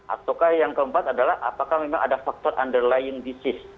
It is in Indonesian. ataukah yang keempat adalah apakah memang ada faktor underlying disease